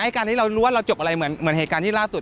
การที่เรารู้ว่าเราจบอะไรเหมือนเหตุการณ์ที่ล่าสุด